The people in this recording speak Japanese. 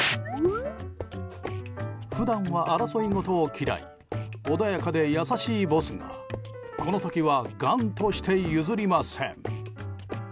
普段は争いごとを嫌い穏やかで優しいボスがこの時は頑として譲りません。